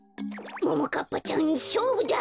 ももかっぱちゃんしょうぶだ！